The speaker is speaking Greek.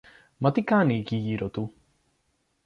Μα τι κάνει εκεί γύρω του;